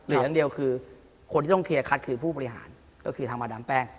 อย่างเดียวคือคนที่ต้องเคลียร์คัดคือผู้บริหารก็คือทางมาดามแป้ง